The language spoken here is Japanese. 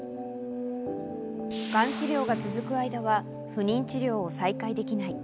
がん治療が続く間は不妊治療を再開できない。